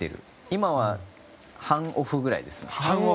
今は半オフぐらいですね。